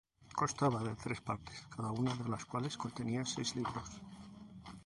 Constaba de tres partes, cada una de las cuales contenía seis libros.